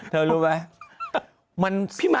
เธอรู้ไหม